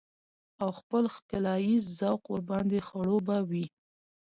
او خپل ښکلاييز ذوق ورباندې خړوبه وي.